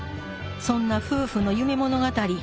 そんな夫婦の夢物語